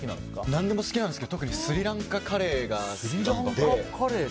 何でも好きなんですけど特にスリランカカレーが好きで。